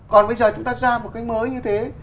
còn bây giờ chúng ta ra một cái mới như thế